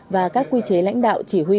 và các quy chế lãnh đạo chỉ huy